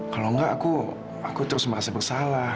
kalau enggak aku aku terus merasa bersalah